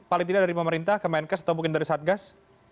paling tidak dari pemerintah kemenkes atau mungkin dari satgas